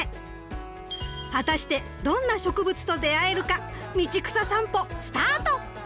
果たしてどんな植物と出会えるか「道草さんぽ」スタート！